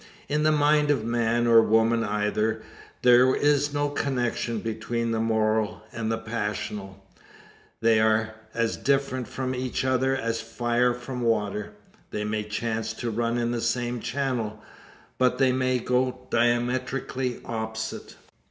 In the mind of man, or woman either, there is no connection between the moral and the passional. They are as different from each other as fire from water. They may chance to run in the same channel; but they may go diametrically opposite.